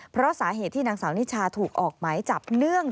เพราะสาเหตุที่นางสาวนิชาถูกออกหมายจับเนื่อง